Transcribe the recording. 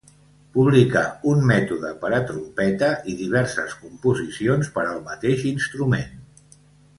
Publicà un mètode per a trompeta i diverses composicions per al mateix instrument.